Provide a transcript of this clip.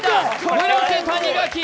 村瀬、谷垣。